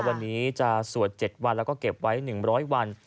วันนี้จะสวด๗วันแล้วก็เก็บไว้๑๐๐วัน